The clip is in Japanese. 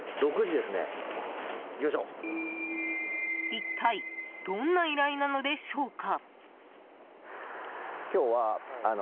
一体どんな依頼なのでしょうか。